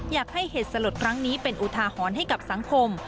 อยากให้เหตุสลดทางนี้เป็นอุทาหรณ์ให้กับสังคม